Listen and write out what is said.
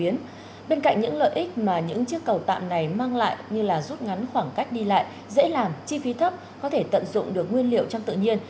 nếu mà những chiếc cầu tạm này mang lại như là rút ngắn khoảng cách đi lại dễ làm chi phí thấp có thể tận dụng được nguyên liệu trong tự nhiên